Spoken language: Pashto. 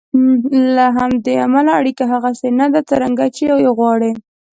له همدې امله اړیکه هغسې نه ده څرنګه چې یې غواړئ.